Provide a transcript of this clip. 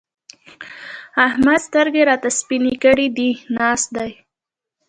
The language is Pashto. احمد سترګې راته سپينې کړې دي؛ ناست دی.